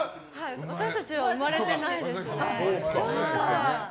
私たちは生まれていないです。